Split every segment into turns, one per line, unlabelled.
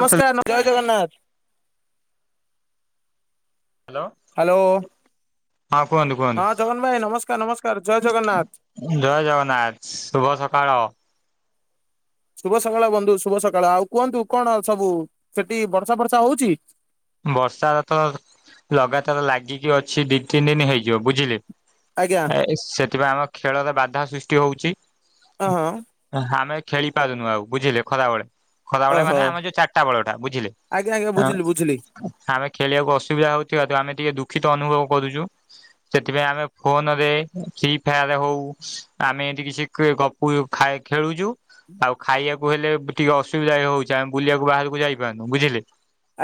ନମସ୍କାର୍ ଜୟ Jagannath. Hello
hello ହଁ କୁହନ୍ତୁ କୁହନ୍ତୁ।
ସାର ନମସ୍କାର ଜୟ ଜଗନ୍ନାଥ।
ଜୟ ଜଗନ୍ନାଥ ଶୁଭ ସକାଳ। [inaudible]
ଶୁଭ ସକାଳ ବନ୍ଧୁ ଶୁଭ ସକାଳ ଆଉ କୁହନ୍ତୁ କଣ ସବୁ ସେଠି ବର୍ଷା ଫର୍ଷା ହଉଛି।
ବର୍ଷା ଟା ତ ଲଗାତାର ଲାଗିକି ଅଛି ଦି ତିନି ଦିନ ହେଇଯିବ ବୁଝିଲେ।
ଆଜ୍ଞା।
ଏଇ ସେଠି ବା ଆମ ଖେଳରେ ବାଧା ସୃଷ୍ଟି ହଉଛି।
ଓହଁ
ଆମେ ଖେଳି ପାରୁନୁ ଆଉ ବୁଝିଲେ ଖରାବେଳେ। ଖରାବେଳେ
ଓହୋ
ମାନେ ଆମର ଯୋଉ ଚାରିଟା ବେଲଟଟା ବୁଝିଲେ
ଆଜ୍ଞା ଆଜ୍ଞା
ଆଁ।
ବୁଝିଲି ବୁଝିଲି
ଆମେ ଖେଳିବାକୁ ଅସୁବିଧା ହଉଥିବାରୁ ଆମେ ଟିକେ ଦୁଃଖିତ ଅନୁଭବ କରୁଛୁ। ସେଥିପାଇଁ ଆମେ ଫୋନ ରେ ଫ୍ରି ଫାୟାର୍ ହଉ ଆମେ ଏଠି କିଛି ଗପ ହୁଏ ଖାଏ ଖେଳୁଛୁ। ଆଉ ଖାଇଆକୁ ହେଲେ ଟିକେ ଅସୁବିଧା ହେଉଛି ଆମେ ବୁଲିଆକୁ ବାହାରକୁ ଯାଇପାରୁନୁ ବୁଝିଲେ।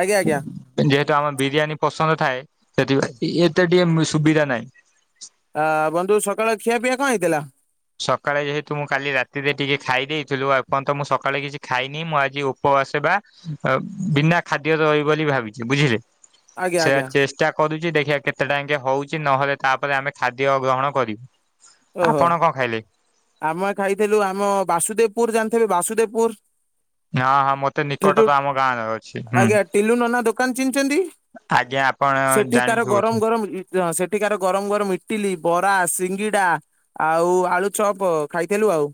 ଆଜ୍ଞା ଆଜ୍ଞା।
ଯେହେତୁ ଆମର ବିରିୟାନୀ ପସନ୍ଦ ଥାଏ ସେଥିପାଇଁ ଏତେ ଟିକେ ସୁବିଧା ନାହିଁ।
ଆ ବନ୍ଧୁ ସକାଳ ଖିଆ ପିଆ କଣ ହେଇଥିଲା?
ସକାଳେ ଯେହେତୁ ମୁଁ କାଲି ରାତିରେ ଟିକେ ଖାଇ ଦେଇଥିଲୁ ଏପର୍ଯ୍ୟନ୍ତ ମୁଁ ସକାଳେ କିଛି ଖାଇନି ମୁଁ ଆଜି ଓପବାସ ବା। ଆଉ ବିନା ଖାଦ୍ୟ ରହିବ ବୋଲି ଭାବିଛି ବୁଝିଲେ
ଆଜ୍ଞା
ସେ ଚେ
ଆଜ୍ଞା
ଚେଷ୍ଟା କରୁଚି ଦେଖିଆ କେତେଟା ଆଙ୍କେ ହଉଛି ନହେଲେ ତାପରେ ଆମେ ଖାଦ୍ୟ ଗ୍ରହଣ କରିବୁ।
ଓହୋ।
ଆପଣ କଣ ଖାଇଲେ?
ଆମେ ଖାଇଥିଲୁ ଆମ ବାସୁଦେବପୁର ଜାଣିଥିବେ ବାସୁଦେବପୁର
ହଁ ହଁ ମତେ ନିକଟ
ସେଠୁ
ତ ଆମ ଗାଁରେ ଅଛି ହୁଁ
ଆଜ୍ଞା ଟିଲୁ ନନା ଦୋକାନ ଚିହ୍ନିଚନ୍ତି।
ଆଜ୍ଞା ଆପଣ
ସେଠି କାର
ଜାଣିଛୁ ବୋଧେ।
ଗରମ ଗରମ ଇ ହଁ ସେଠିକାର ଗରମ ଗରମ ଇଟିଲି, ବରା, ସିଙ୍ଗେଡା, ଆଉ ଆଳୁ ଚପ୍ ଖାଇଥିଲୁ ଆଉ।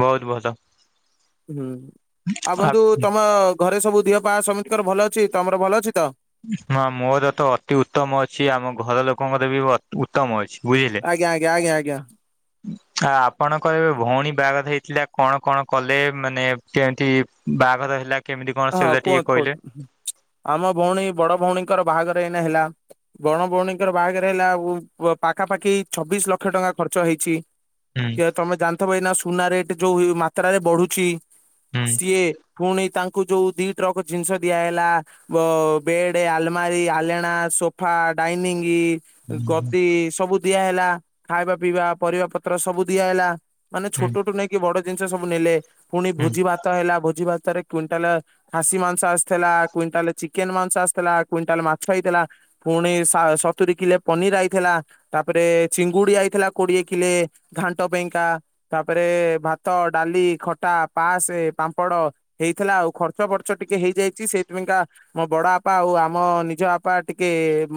ବହୁତ୍ ଭଲ।
ହୁଁ, ଆଉ ବନ୍ଧୁ ତମ ଘରେ ସବୁ ଦେହ ପା ସମୀତିଙ୍କର ଭଲ ଅଛି ତମର ଭଲ ଅଛି ତ?
ହଁ, ମୋର ତ ଅତି ଉତ୍ତମ ଅଛି ଆମ ଘର ଲୋକଙ୍କର ବି ଉତ୍ତମ ଅଛି ବୁଝିଲେ।
ଆଜ୍ଞା, ଆଜ୍ଞା, ଆଜ୍ଞା, ଆଜ୍ଞା।
ଆ ଆପଣଙ୍କର ଏବେ ଭଉଣୀ ବାହାଘର ହେଇଥିଲା କଣ କଣ କଲେ ମାନେ କେମତି ବାହାଘର ହେଲା କେମିତି କଣ
ହଁ
ସେଗୁଡା ଟିକେ
କୁହନ୍ତୁ
କହିଲେ।
କୁହନ୍ତୁ ଆମ ଭଉଣୀ ବଡ ଭଉଣୀଙ୍କର ବାହାଘର ଏଇନା ହେଲା। ବଣ ଭଉଣୀଙ୍କର ବାହାଘର ହେଲା ଉ ପାଖାପାଖି ଛବିଶ ଲକ୍ଷ ଟଙ୍କା ଖର୍ଚ୍ଚ ହେଇଛି [unintelligible]
ହୁଁ
କିଅ ତମେ ଜାଣିଥିବ ଏଇନା ସୁନା ରେଟ୍ ଯୋଉ ମାତ୍ରାରେ ବଢୁଛି।
ହୁଁ
ସିଏ ପୁଣି ତାଙ୍କୁ ଯୋଉ ଦି ଟ୍ରକ ଜିନିଷ ଦିଆ ହେଲା। ବ ବେଡ୍, ଆଲମାରି, ଆଲେଣା, ସୋଫା, ଡାଇନିଂ ଗଦି ସବୁ ଦିଆହେଲା ଖାଇବା ପିଇବା ପରିବା ପତ୍ର ସବୁ ଦିଆହେଲା। ମାନେ
ହୁଁ
ଛୋଟଠୁ ନେଇକି ବଡ ଜିନିଷ ସବୁ ନେଲେ ପୁଣି
ହୁଁ
ଭୋଜି ଭାତ ହେଲା ଭୋଜି ଭାତରେ କୁଇଣ୍ଟାଲ୍ ଖାସି ମାଂସ ଆସିଥିଲା, କୁଇଣ୍ଟାଲ୍ ଚିକେନ ମାଂସ ଆସିଥିଲା, କୁଇଣ୍ଟାଲ୍ ମାଛ ହେଇଥିଲା। ପୁଣି ସତୁରୀ କିଲେ ପନିର୍ ଆଇଥିଲା। ତାପରେ ଚିଙ୍ଗୁଡି ଆଇଥିଲା କୋଡିଏ କିଲେ ଘାଣ୍ଟ ପାଇଁଙ୍କା। ତାପରେ ଭାତ ଡାଲି ଖଟା ପାସେ ପାମ୍ପଡ। ହେଇଥିଲା ଆଉ ଖର୍ଚ୍ଚ ବର୍ଚ୍ଚ ଟିକେ ହେଇଯାଇଛି ସେଥିପାଇକା ମୋ ବଡ ବାପା ଆଉ ଆମ ନିଜ ବାପା ଟିକେ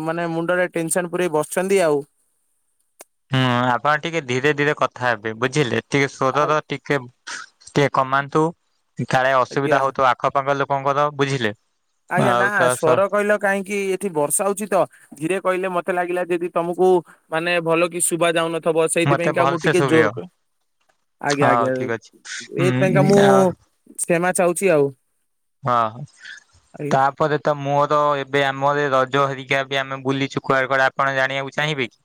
ମାନେ ମୁଣ୍ଡରେ ଟେନସନ ପୁରେଇ ବସିଚନ୍ତି ଆଉ।
ହ ଆପଣ ଟିକେ ଧୀରେ ଧୀରେ କଥା ହେବେ ବୁଝିଲେ ଟିକେ
ଆ-
ସର ଟିକେ ଟିକେ କମାନ୍ତୁ କାଳେ ଅସୁବିଧା
ଆଜ୍ଞା
ହଉୁ ଆ ଖପାଙ୍କ ଲୋକଙ୍କର ବୁଝିଲେ
ଆଜ୍ଞା
ଆଉ
ନା
ତ ସ
ସ୍ୱର କହିଲ କାହିଁକି ଏଠି ବର୍ଷା ହଉଛି ତ ଧୀରେ କହିଲେ ମତେ ଲାଗିଲା ଯଦି ତମକୁ ମାନେ ଭଲ କି ଶୁବା ଯାଉନ ଥବ
ମତେ
ସେଇଥିପାଇଁକା ମୁଁ
ଭଲସେ
ଟିକେ
ଶୁଭିବ
ଜୋର କ ଆଜ୍ଞା
ହଉ
ଆଜ୍ଞା
ଠିକ ଅଛି
ଏଇଥିପାଇଁକା
ଉଁ
ମୁଁ ସେ୍ଷମା ଚାହୁଛି ଆଉ।
ହଁ
ଆଜ୍ଞା
ତା ଏପରେ ତ ମୁୋର ଏବେ ଆମର ରଜ ହେରିକା ବି ଆମେ ବୁଲିଛୁ କୁଆ କଡ଼େ ଆପଣ ଜାଣିବାକୁ ଚାହିଁବେ କି?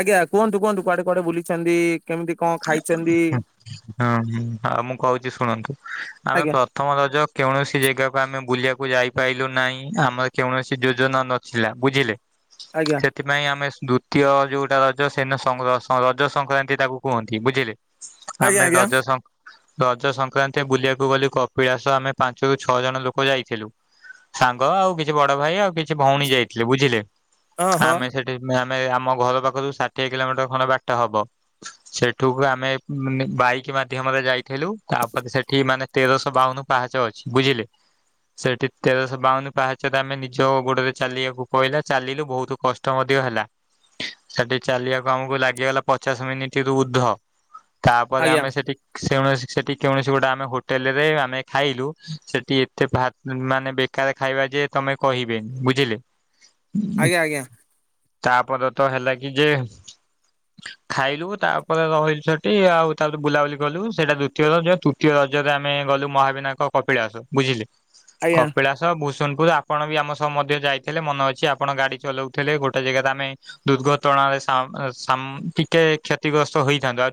ଆଜ୍ଞା କୁହନ୍ତୁ କୁହନ୍ତୁ କୁଆଡ଼େ କୁଆଡ଼େ ବୁଲିଛନ୍ତି। କେମିତି କଣ ଖାଇଛନ୍ତି
ହୁଁ ହଁ ଆଉ ମୁଁ କହୁଛି ଶୁଣନ୍ତୁ ଆମେ
ଆଜ୍ଞା
ପ୍ରଥମ ରଜ କୌଣସି ଜାଗାକୁ ଆମେ ବୁଲିଆକୁ ଯାଇପାରିଲୁ ନାହିଁ ଆମର କୌଣସି ଯୋଜନା ନଥିଲା ବୁଝିଲେ।
ଆଜ୍ଞା।
ସେଥିପାଇଁ ଆମେ ଦ୍ଵିତୀୟ ଯୋଉଟା ରଜ ସେନ ରଜ ସଂକ୍ରାନ୍ତି ତାକୁ କୁହନ୍ତି ବୁଝିଲେ।
ଆଜ୍ଞା
ଆମେ
ଆଜ୍ଞା
ରଜ ସ ରଜ ସଂକ୍ରାନ୍ତି ବୁଲିଆକୁ ଗଲେ କପିଳାସ ଆମେ ପାଞ୍ଚରୁ ଛଅ ଜଣ ଲୋକ ଯାଇଥିଲୁ। ସାଙ୍ଗ ଆଉ କିଛି ବଡ ଭାଇ ଆଉ କିଛି ଭଉଣୀ ଯାଇଥିଲେ ବୁଝିଲେ
ହଁ ହଁ
ଆମେ ସେଠି ଆମେ ଆମ ଘର ପାଖରୁ ଷାଠିଏ କିଲୋମିଟର ଖଣ୍ଡ ବାଟ ହବ। ସେଠୁକୁ ଆମେ ବାଇକ ମାଧ୍ୟମରେ ଯାଇଥିଲୁ ତାପରେ ସେଠି ମାନେ ତେରଶହ ବାଉନ ପାହାଚ ଅଛି ବୁଝିଲେ ସେଠି ତେରଶହ ବାଉନ ପାହାଚରେ ଆମେ ନିଜ ଗୋଡରେ ଚାଲିବାକୁ କହିଲା ଚାଲିଲୁ ବହୁତ କଷ୍ଟ ମଧ୍ୟ ହେଲା ସେଠି ଚାଲିବାକୁ ଆମକୁ ଲାଗିଗଲା ପଚାଶ ମିନିଟ ଉଦ୍ଧ ତାପରେ
ଆଜ୍ଞା
ଆମେ ସେଠି ସେଠି କୌଣସି ଗୋଟେ ଆମେ ହୋଟେଲ ରେ ଆମେ ଖାଇଲୁ ସେଠି ଏତେ ବା ମାନେ ବେକାର ଖାଇବା ଯେ ତମେ କହିବେନି ବୁଝିଲେ
ଆଜ୍ଞା ଆଜ୍ଞା
ତାପରେ ତ ହେଲା କି ଯେ ଖାଇଲୁ ତାପରେ ରହିଲୁ ସେଠି ଆଉ ତାପରେ ବୁଲାବୁଲି କଲୁ ସେଇଟା ଦ୍ିତୀୟ ରଜ ତୃତୀୟ ରଜରେ ଆମେ ଗଲୁ ମହାବିନାୟକ କପିଳାସ ବୁଝିଲେ
ଆଜ୍ଞା
କପିଳାସ। ଭୁସୁନପୁର ଆପଣ ବି ଆମ ସହ ମଧ୍ୟ ଯାଇଥିଲେ ମନେ ଅଛି ଆପଣ ଗାଡି ଚଲାଉଥିଲେ ଗୋଟେ ଜାଗାାରେ ଆମେ ଦୁର୍ଘଟଣାରେ ଟିକେ କ୍ଷତିଗ୍ରସ୍ତ ହେଇଥାନ୍ତୁ ଆ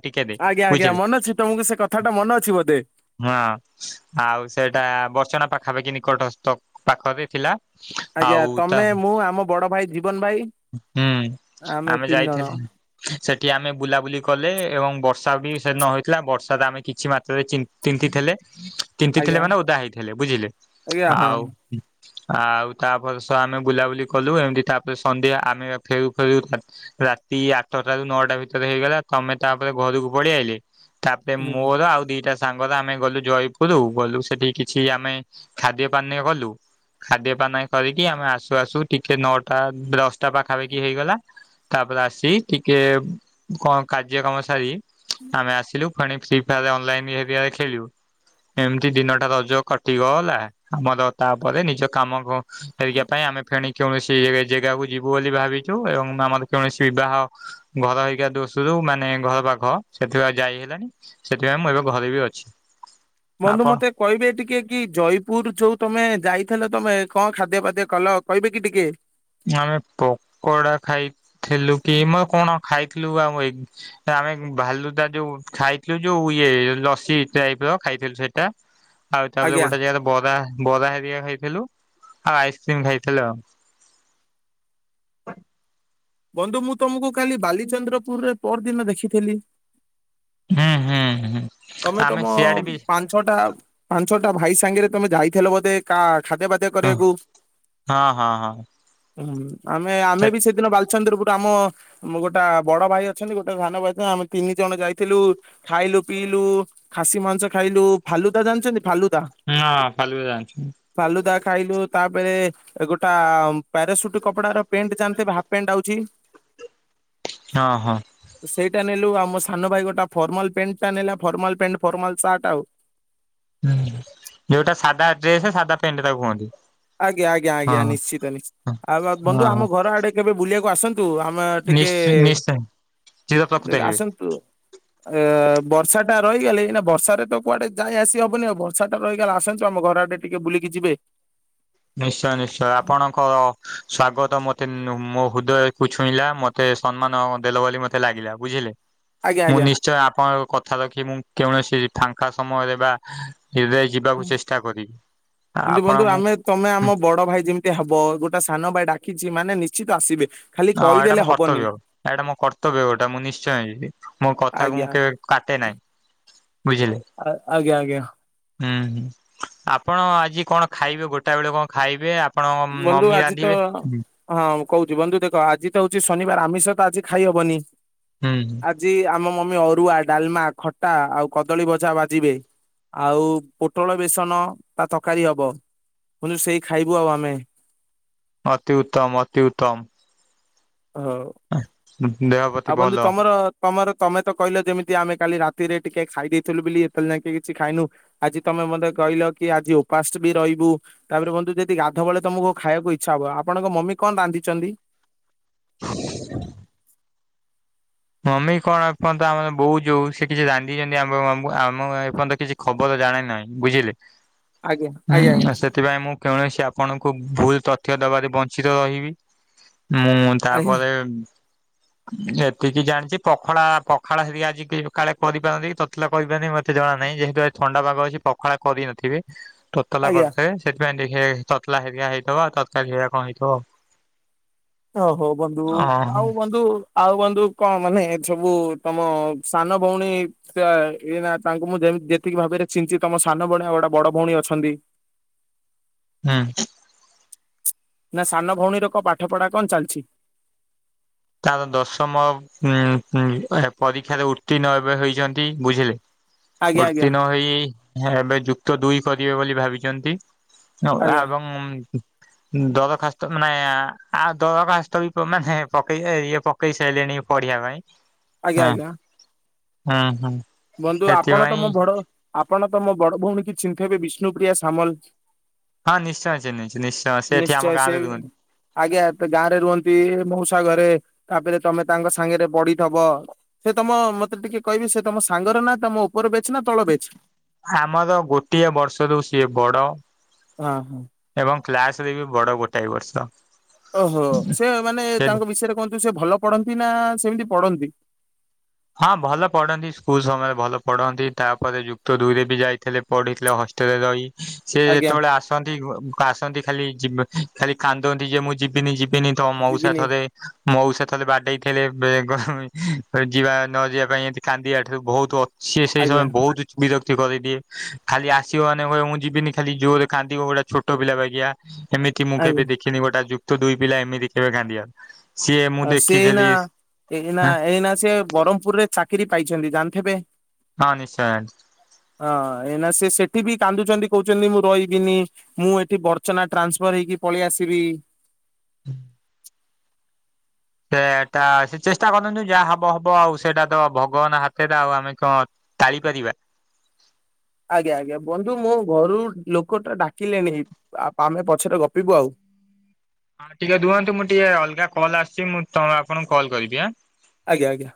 ଆଜ୍ଞା ଆଜ୍ଞା ମନେ ଅଛି ତମକୁ ସେ କଥାଟା ମନେ ଅଛି ବୋଧେ
ହଁ ଆଉ ସେଇଟା ବର୍ଚନା ପାଖାପାଖି ନିକଟସ୍ଥ ପାଖରେ ଥିଲା।
ଆଜ୍ଞା
ଆଉ ତା
ତମେ ମୁଁ ଆମ ବଡ ଭାଇ ଜୀବନ ଭାଇ
ହୁଁ ଆମେ
ତିନି ଜଣ
ଯାଇଥିଲେ। ସେଠି ଆମେ ବୁଲାବୁଲି କଲେ ଏବଂ ବର୍ଷା ବି ସେ ନ ହେଥିଲା ବର୍ଷା ଆମେ କିଛି ମାତ୍ରାରେ ତିଁଥିଲେ। ତିତି
ଆଜ୍ଞା
ଥିଲେ ମାନେ ଓଦା ହେଇଥିଲେ ବୁଝିଲେ
ଆଜ୍ଞା ହଁ
ଆଉ ଆଉ ତାପରେସ ଆମେ ବୁଲାବୁଲି କଲୁ ଏମିତି ତାପରେ ସନ୍ଧ୍ୟା ଆମେ ଫେରୁ ଫେରୁ ରାତି ଆଠଟ ର ନଅଟା ଭିତରେ ହେଇଗଲା ତମେ ତାପରେ ଘରକୁ ପଳେଇ ଆଇଲେ ତାପରେ
ହୁଁ
ମୋର ଆଉ ଦିଟା ସାଙ୍ଗର ଆମେ ଗଲୁ ଜୟପୁର ଗଲୁ ସେଠି କିଛି ଆମେ ଖାଦ୍ୟ ପାନୀୟ ଗଲୁ ଖାଦ୍ୟ ପାନ କରିକି ଆମେ ଆସୁ ଆସୁ ଟିକେ ନଅଟା ଦଶଟା ପାଖାପାଖି ହେଇଗଲା। ତାପରେ ଆସି ଟିକେ କଁ କାର୍ଯ୍ୟ କମ ସାରି ଆମେ ଆସିଲୁ। ଫୁଣି ଫ୍ରି ଫାୟାର ଅନଲାଇନ୍ ଘେରିକା ଖେଳିବୁ। ଏମିତି ଦିନଟା ରଜ କଟିଗଲା ଆମର ତାପରେ ନିଜ କାମ ଘ ହେରିକା ପାଇଁ ଆମେ ଫେଣି କୌଣସି ଜେଗାକୁ ଯିବୁ ବୋଲି ଭାବିଛୁ ଏବଂ ଆମର କୌଣସି ବାହ। ଘର ହେରିକା ଦୋଷରୁ ମାନେ ଘର ପାଖ ସେଥିପାଇଁ ଯାଇ ହେଲାଣି ସେଥିପାଇଁ ମୁଁ ଏବେ ଘରେ ବି ଅଛି। [unintelligible]
ବନ୍ଧୁ ମତେ। କହିବେ ଟିକେ କି ଜୟପୁର ଯୋଉ ତମେ ଯାଇଥିଲ ତମେ କଣ ଖାଦ୍ୟ ପାାଦ୍ୟ କଲ କହିବେ କି ଟିକେ।
ଆମେ ପକୋଡା ଖାଇଥିଲୁ କି ମ କଣ ଖାଇଥିଲୁ ଆଉ ମୋର ଇ ଆମେ ଭାଲୁଦା ଯୋଉ ଖାଇଥିଲୁ ଯୋଉ ଇଏ ଲସି ଟାଇପ ଖାଇଥିଲୁ ସେଇ ଟା ଆଉ ତାପ
ଆଜ୍ଞା
ଗୋଟେ ଜାଗା ରେ। ବରା ବରା ହେରିକା ଖାଇଥିଲୁ ଆଉ ଆଇସ୍କ୍ରିମ ଖାଇଥିଲୁ ଆଉ। ହ [unintelligible]
ବନ୍ଧୁ ମୁଁ ତମକୁ କାଲି ବାଲିଚନ୍ଦ୍ରପୁରରେ ପର ଦିନ ଦେଖିଥିଲି।
ହୁଁ ହୁଁ ହୁଁ।
ତମେ
ଆମେ
ତମ
ସିଆଡେ ବି
ପାଞ୍ଚ ଛଟା ପାଞ୍ଚ ଛଟା ଭାଇ ସାଙ୍ଗରେ ତମେ ଯାଇଥିଲ ବୋଧେ କା ଖାଦ୍ୟ ପା
ହୁଁ ହଁ ହଁ ହଁ।
ହୁଁ ଆମେ ଆମେ
ସେ
ବି ସେଦିନ ବାଲଚନ୍ଦ୍ର ପୁରୁ ଆମ। ଆମ ଗୋଟେ ବଡ ଭାଇ ଅଛନ୍ତି ଗୋଟେ ସାନ ଭାଇଛନ୍ତି ଆମେ ତିନି ଜଣ ଯାଇଥିଲୁ ଖାଇଲୁ। ପିଇଲୁ ଖାସି ମାଂସ ଖାଇଲୁ ଫାଲୁଦା ଜାଣିଛନ୍ତି ଫାଲୁଦା।
ହଁ ଫାଲୁଦା ଜାଣିଛି
ଫାଲୁଦା ଖାଇଲୁ ତାପରେ। ଏ ଗୋଟା ପ୍ୟାରାସୁଟ କପଡାର ପେଣ୍ଟ ଜାଣିଥିବେ ହାଫ ପେଣ୍ଟ ଆଉଛି।
ହଁ ହଁ।
ସେଇଟା ନେଲୁ ଆଉ ମୋ ସାନ ଭାଇ ଗୋଟେ ଫର୍ମାଲ ପେଣ୍ଟ ଟା ନେଲା ଫର୍ମାଲ ପେଣ୍ଟ ଫର୍ମାଲ ସାର୍ଟ ଆଉ।
ହୁଁ ଯୋଉଟା ସାଧା ଡ୍ରେସ ସାଧା ପେଣ୍ଟ ତାକୁ କୁହନ୍ତି।
ଆଜ୍ଞା ଆଜ୍ଞା ଆଜ୍ଞା
ହଁ
ନିଶ୍ଚିତ ନିଶ୍ଚି
ହଁ
ଆଉ ଆ ବନ୍ଧୁ
ହଁ
ଆମ ଘର ଆଡେ କେବେ ବୁଲିବାକୁ ଆସନ୍ତୁ ଆ ମା ଟିକେ,
ନିଶ୍ଚୟ ନିଶ୍ଚୟ ଚିର ପ୍ରକୃତ
ଟିକେ
ହେବେ
ଆସନ୍ତୁ। ଏ ବର୍ଷା ଟା ରହିଗଲେ ଏଇନା ବର୍ଷାରେ ତ କୁଆଡେ ଯାଇ ଆସି ହବନି ଆଉ ବର୍ଷା ଟା ରହିଗଲା ଆସନ୍ତୁ ଆମ ଘର ଆଡେ ଟି ଟିକେ ବୁଲିକି ଯିବେ।
ନିଶ୍ଚୟ ନିଶ୍ଚୟ ଆପଣଙ୍କର ସ୍ଵାଗତ ମତ୍ ତି ନୁ ମୋ ହୃଦୟକୁ ଛୁଇଁଲା ମତେ ସମ୍ମାନ ଦେଲ ବୋଲି ମତେ ଲାଗିଲା ବୁଝିଲେ।
ଆଜ୍ଞା
ମୁଁ
ଆଜ୍ଞା।
ନିଶ୍ଚୟ ଆପଣଙ୍କ କଥା ରଖି ମୁଁ କୌଣସି ଫାଙ୍କା ସମୟରେ ବା କେବେ ଯିବାକୁ ଚେଷ୍ଟା କରିବି ଆ
କିନ୍ତୁ ବନ୍ଧୁ
ଆପଣ ମୁଁ।
ଆମେ ତମେ ଆମ ବଡ ଭାଇ ଯେମିତିଆ ହବ ଗୋଟେ ସାନ ଭାଇ ଡାକିଛି ମାନେ ନିଶ୍ଚିତ ଆସିବେ। ଖାଲି
ହଁ ଏଇଟା
କହିଦେଲେ
ମୋ
ହବନି
କର୍ତ୍ତବ୍ୟ। ଏଇଟା ମୋ କର୍ତ୍ତବ୍ୟ ଗୋଟା ମୁଁ ନିଶ୍ଚୟ ଯିବି ମୋ କଥାକୁ
ଆଜ୍ଞା
ମୁଁ କେବେ କାଟେ ନାହିଁ। ବୁଝିଲେ।
ଆଜ୍ଞା ଆଜ୍ଞା।
ହୁଁ ହୁଁ ଆପଣ ଆଜି କଣ ଖାଇବେ ଗୋଟା ବେଳେ କଣ ଖାଇବେ ଆ ଆପଣଙ୍କ
ବନ୍ଧୁ
ମମି
ଆଜି ତ
ରାନ୍ଧିବେ। ହୁଁ
ହଁ କହୁଛି ବନ୍ଧୁ ଦେଖ ଆଜି ତ ହଉଛି ଶନିବାର ଆମିଷ ତ ଆଜି ଖାଇହବନି।
ହୁଁ ହୁଁ।
ଆଜି ଆମ ମମି ଅରୁଆ, ଡାଲମା, ଖଟା ଆଉ କଦଳୀ ଭଜା ଭାଜିବେ। ଆଉ ପୋଟଳ ବେସନ ତା ତରକାରୀ ହବ ବନ୍ଧୁ ସେଇ ଖାଇବୁ ଆଉ ଆମେ। [inaudible]
ଅତି ଉତ୍ତମ ଅତି ଉତ୍ତମ।
ହଉ।
ଦେହ ଭ
ଆଉ ବନ୍ଧୁ ତମର ତମର ତମେ ତ କହିଲ ଯେମିତି ଆମେ କାଲି ରାତିରେ ଟିକେ ଖାଇ ଦେଇଥିଲୁ ବୋଲି ଏତେବେଳେ ଯାଏ କେହି କିଛି ଖାଇନୁ ଆଜି ତମେ ମତେ କହିଲ କି ଆଜି ଉପାଷ୍ଟ ବି ରହିବୁ। ତାପରେ ବନ୍ଧୁ ଯଦି ଗାଧୁଆ ବଳେ ତମକୁ ଖାଇବାକୁ ଇଚ୍ଛା ହବ ଆପଣଙ୍କ ମମି କଣ ରାନ୍ଧିଛନ୍ତି?
[inaudible] ମମି କଣ ଏପର୍ଯ୍ୟନ୍ତ ଆମର ବୋଉ ଯୋଉ ସେ କିଛି ରାନ୍ଧିଛନ୍ତି ଆମ ମ ଆମ ଏପର୍ଯ୍ୟନ୍ତ କିଛି ଖବର ଜାଣେ ନାହିଁ ବୁଝିଲେ
ଆଜ୍ଞା ଆଜ୍ଞା ଆଜ୍ଞା
ହୁଁ ସେଥିପାଇଁ ମୁଁ କୌଣସି ଆପଣଙ୍କୁ ଭୁଲ ତଥ୍ୟ ଦେବାରେ ବଞ୍ଚିତ ରହିବି ମୁଁ
ଆଜ୍ଞା
ତାପରେ କିିକି ଜାଣିଛି ପଖଳା ପଖାଳ ହେବି ଆଜି କି କାଳେ କରିପାରନ୍ତି କି ତତଲା କରିପାରନ୍ତି ମତେ ଜଣା ନାହିଁ ଯେହେତୁ ଆ ଥଣ୍ଡା ପାଗ ଅଛି ପଖାଳ କରିନଥିବେ ତତଲା
ଆଜ୍ଞା
କରିଥିବେ। ସେଥିପାଇଁ ଦେଖେ ତତଲା ହେରିଆ ହେଇଥିବ ତରକାରୀ ହେରିଆ କଣ ହେଇଥିବ ଆଉ।
ଓହୋ ବନ୍ଧୁ
ଓହୋ
ଆଉ ବନ୍ଧୁ ଆଉ ବନ୍ଧୁ କଣ ମାନେ ସବୁ ତମ ସାନ ଭଉଣୀ ସେ ଏଇ ନା ତାଙ୍କୁ ମୁଁ ଯେମ୍ ଯେତିକି ଭାବରେ ଚିଞ୍ଚି ତମ ସାନ ଭଉଣୀ ଆଉ ଗୋଟେ ବଡ ଭଉଣୀ ଅଛନ୍ତି।
ହୁଁ।
ନା ସାନ ଭଉଣୀର କଣ ପାଠ ପଢା କଣ ଚାଲିଛି?
ତାର ଦଶମ ଉ ପରୀକ୍ଷାରେ ଉତ୍ତୀଣ୍ଣ ଏବେ ହେଇଛନ୍ତି ବୁଝିଲେ।
ଆଜ୍ଞା ଆଜ୍ଞା
ଉତ୍ତୀର୍ଣ ହୋଇ ଏବେ ଯୁକ୍ତ ଦୁଇ କରିବେ ବୋଲି ଭାବିଛନ୍ତି। ଓ
ଆଜ୍ଞା
ଆବଂ ଦରଖାସ୍ତ ମାନେ ଆ ଦରଖାସ୍ତ ବି ମାନେ ପକେଇ ଇଏ ପକେଇ ସାରିଲେଣି ପଢିବା ପାଇଁ
ଆଜ୍ଞା
ହଁ
ଆଜ୍ଞା।
ହୁଁ ହୁଁ।
ବନ୍ଧୁ ଆପଣ ତ
ସେଥିପାଇଁ
ମୋ ବଡ ଆପଣ ତ ମୋ ବଡ ଭଉଣୀ କି ଚିନ୍ହିଥିବେ ବିଷ୍ଣୁପ୍ର୍ରିୟା ସାମଲ।
ହଁ ନିଶ୍ଚୟ ଚିନ୍ହିଚି ନିଶ୍ଚୟ ସେଠି ଆମ
ନିଶ୍ଚୟ ସେ
ଗାଁରେ ରୁହନ୍ତି।
ଆଜ୍ଞା ଏବେ ଗାଁରେ ରୁହନ୍ତି ମଉସା ଘରେ ତାପରେ ତମେ ତାଙ୍କ ସାଙ୍ଗରେ ପଢିଥବ। ସେ ତମ ମତେ ଟିକେ କହିବେ ସେ ତମ ସାଙ୍ଗର ନା ତମ ଉପ୍ ଉପର ବ୍ୟାଚ୍ ନା ତଳ ବ୍ୟାଚ୍?
ଆମର ଗୋଟିଏ ବର୍ଷ ରୁ ସିଏ ବଡ
ହଁ।
ଏବଂ କ୍ଲାସରେ ବି ବଡ ଗୋଟାଏ ବର୍ଷ।
ଓହୋ ସେ ମାନେ
ସେ
ତାଙ୍କ ବିଷୟରେ କୁହନ୍ତୁ ସେ ଭଲ ପଢନ୍ତି ନା ସେମିତି ପଢନ୍ତି?
ହଁ ଭଲ ପଢନ୍ତି ସ୍କୁଲ ସମୟରେ ଭଲ ପଢ଼ନ୍ତି ତାପରେ ଯୁକ୍ତ ଦୁଇରେ ବି ଯାଇଥିଲେ ପଢିଥିଲେ ହଷ୍ଟେଲରେ ରହି ସେ
ଆଜ୍ଞା
ଯେତେବେଳେ ଆସନ୍ତି ଆସନ୍ତି ଖାଲି ଯି ଖାଲି କାନ୍ଦନ୍ତି ଯେ ମୁଁ ଯିବିନି ଯିବି ବିନି ତ ମଉସା
ଯିବିନି
ଥରେ ମଉସା ଥରେ ବାଡ଼େଇ ଥିଲେ ବେଗ ଯିବା ନ ଯିବା ପାଇଁ ଏମିତି କାନ୍ଦିବାଠୁ ବହୁତ ଅଛି ସେଇ
ଆଜ୍ଞା
ସମୟ ବହୁତ ବିରକ୍ତି କରିଦିଏ ଖାଲି ଆସିବ ମାନେ କ ମୁଁ ଯିବିନି ଖାଲି ଜୋରରେ କାନ୍ଦିବ ଗୋଟେ ଛୋଟ ପିଲା ବା ଗିଆ। ଏମିତି ମୁଁ
ଆଜ୍ଞା
କେବେ ଦେଖିନି ଗୋଟେ ଯୁକ୍ତ ଦୁଇ ପିଲା ଏମିତି କେବେ କାନ୍ଦିବାର।
ସେ ଏଇନା ଏଇନା ଏଇନା ସେ ବରମ୍ପୁରରେ ଚାକିରି ପାଇଛନ୍ତି ଜାଣିଥିବେ?
ହଁ ନିଶ୍ଚୟ।
ହଁ ଏଇନା ସେ ସେଠି ବି କାନ୍ଦୁଛନ୍ତି କହୁଛନ୍ତି ମୁଁ ରହିବିନି ମୁଁ ଏଠି ବର୍ଚ୍ଚନା ଟ୍ରାନ୍ସଫର ହେଇକି ପଳେଇ ଆସିବି।
ହୁଁ ସେଟା ସେ ଚେଷ୍ଟା କରନ୍ତୁ ଯାହା ହବ ହବ ଆଉ ସେଇଟା ତ ଭଗବାନ ହାତରେ ଆଉ ଆମେ କଣ। ଟାଳିପାରିବା
ଆଜ୍ଞା ଆଜ୍ଞା ବନ୍ଧୁ ମୁଁ ଘରୁ ଲୋକଟା ଡାକିଲେଣିି ଆମେ ପଛରେ ଗପିବୁ ଆଉ
ହଁ ଟିକେ ରୁହନ୍ତୁ ମୁଁ ଟିକେ ଅଲଗା କଲ୍ ଆସିଛି ମୁଁ ତ ଆପଣଙ୍କୁ କଲ୍ କରିବି ହାଁ
ଆଜ୍ଞା ଆଜ୍ଞା